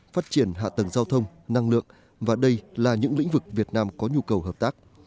phát triển hạ tầng giao thông năng lượng và đây là những lĩnh vực việt nam có nhu cầu hợp tác